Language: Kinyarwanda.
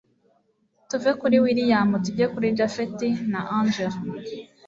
tuve kuri william tujye kuri japhet na angella